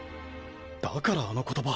だからあの言葉。